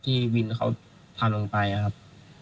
ที่วินเขาพาลงไปนะครับ